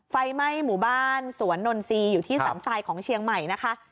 ไฟไหม้หมู่บ้านสวนนนทรีย์อยู่ที่สรรทรายของเชียงใหม่นะคะ